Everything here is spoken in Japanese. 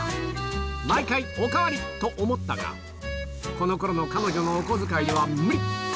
毎回、お代わりと思ったが、このころの彼女のお小遣いでは無理。